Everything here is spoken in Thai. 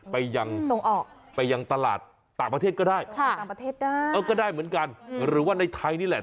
ไปยังตลาดต่างประเทศก็ได้ก็ได้เหมือนกันหรือว่าในไทยนี่แหละ